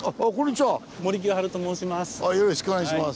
森清治と申します。